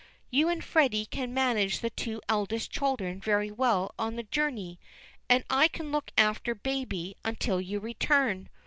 You and Freddy can manage the two eldest children very well on the journey, and I can look after baby until you return.